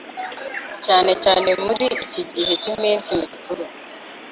cyane cyane muri iki gihe cy’iminsi mikuru